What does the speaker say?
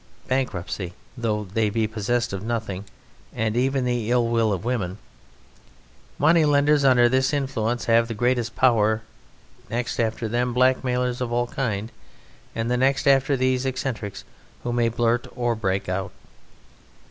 Bankruptcy, though they be possessed of nothing, and even the ill will of women. Moneylenders under this influence have the greatest power, next after them, blackmailers of all kinds, and next after these eccentrics who may blurt or break out.